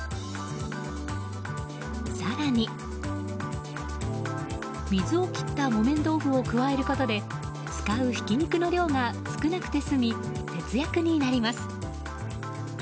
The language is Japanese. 更に、水を切った木綿豆腐を加えることで使うひき肉の量が少なくて済み節約になります。